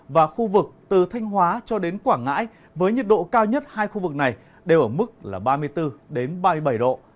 và khu vực từ thanh hóa cho đến quảng ngãi với nhiệt độ cao nhất hai khu vực này đều ở mức ba mươi bốn ba mươi bảy độ